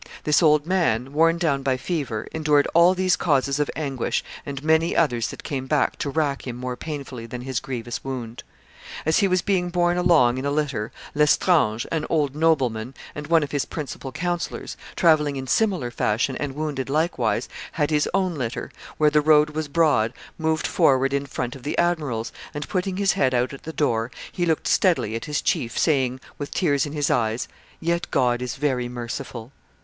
This old man, worn down by fever, endured all these causes of anguish and many others that came to rack him more painfully than his grievous wound. As he was being borne along in a litter, Lestrange, an old nobleman, and one of his principal counsellors, travelling in similar fashion, and wounded likewise, had his own litter, where the road was broad, moved forward in front of the admiral's, and putting his head out at the door, he looked steadily at his chief, saying, with tears in his eyes, 'Yet God is very merciful.